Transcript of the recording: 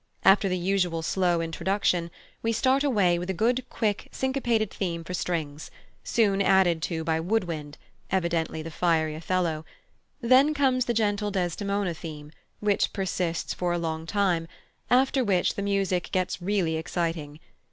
After the usual slow introduction, we start away with a good, quick, syncopated theme for strings, soon added to by wood wind (evidently the fiery Othello). Then comes the gentle Desdemona theme, which persists for a long time, after which the music gets really exciting.